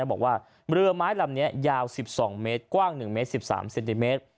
บอกว่าเรือไม้ลำนี้ยาว๑๒เมตรกว้าง๑เมตร๑๓เซนติเมตร